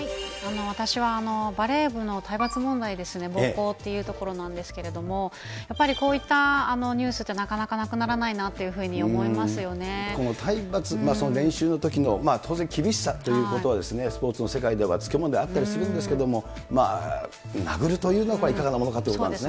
私はバレー部の体罰問題ですね、暴行というところなんですけれども、やっぱりこういったニュースってなかなかなくならないなっていうこの体罰、練習のときの、当然厳しさということは、スポーツの世界では付き物であったりはするんですけれども、まあ殴るというのはこれ、いかがなものかというところですね。